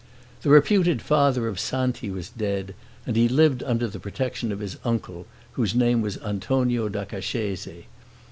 The reputed father of Santi was dead, and he lived under the protection of his uncle, whose name was Antonio da Cascese.